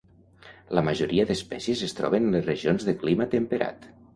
La majoria d'espècies es troben en les regions de clima temperat.